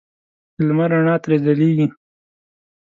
د لمر رڼا ترې ځلېږي.